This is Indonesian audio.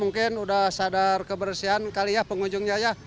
mungkin sudah sadar kebersihan kali ya pengunjungnya ya